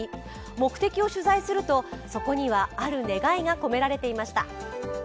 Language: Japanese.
目的を取材すると、そこにはある願いが込められていました。